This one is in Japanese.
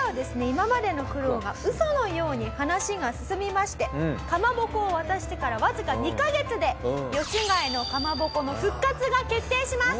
今までの苦労が嘘のように話が進みましてかまぼこを渡してからわずか２カ月で吉開のかまぼこの復活が決定します！